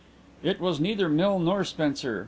"It was neither Mill nor Spencer.